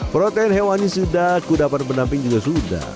protein hewani sudah aku dapat menamping juga sudah